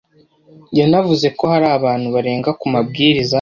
Yanavuze ko hari abantu barenga ku mabwiriza